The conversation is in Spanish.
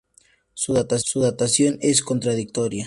Su datación es contradictoria.